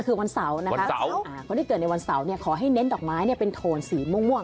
คือวันเสาร์นะคะคนที่เกิดในวันเสาร์ขอให้เน้นดอกไม้เป็นโทนสีม่วง